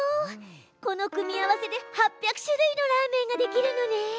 この組み合わせで８００種類のラーメンができるのね！